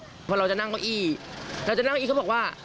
เพราะเราจะนั่งเก้าอี้เราจะนั่งเก้าอี้เขาบอกว่า